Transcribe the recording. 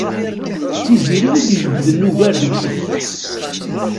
D Tiziri i d-ijebbden ugar deg-sent.